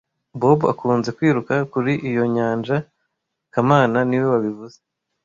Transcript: Bob akunze kwiruka kuri iyo nyanja kamana niwe wabivuze